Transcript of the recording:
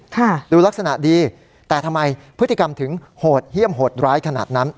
ค่ะดูลักษณะดีแต่ทำไมพฤติกรรมถึงโหดเยี่ยมโหดร้ายขนาดนั้น